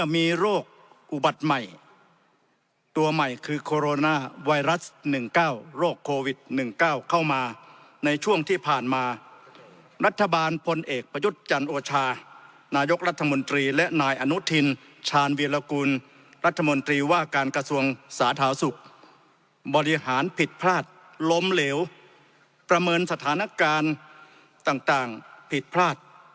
ภิรภิรภิรภิรภิรภิรภิรภิรภิรภิรภิรภิรภิรภิรภิรภิรภิรภิรภิรภิรภิรภิรภิรภิรภิรภิรภิรภิรภิรภิรภิรภิรภิรภิรภิรภิรภิร